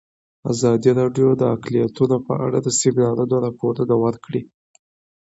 ازادي راډیو د اقلیتونه په اړه د سیمینارونو راپورونه ورکړي.